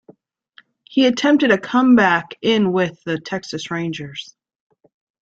He attempted a comeback in with the Texas Rangers.